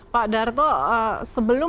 pak darto sebelum